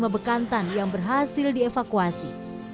empat puluh lima bekantan yang berhasil dievakuasi